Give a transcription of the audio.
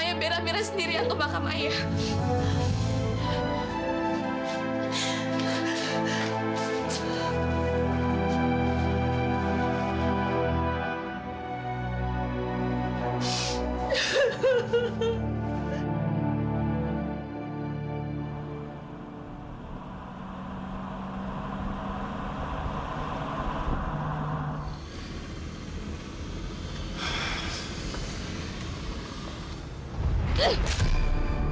ayah beram beram sendiri yang ke mahkamah ayah